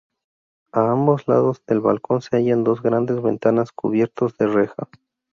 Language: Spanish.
A ambos lados del balcón se hallan dos grandes ventanales cubiertos de reja.